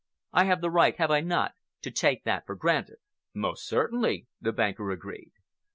I have the right, have I not, to take that for granted?" "Most certainly," the banker agreed.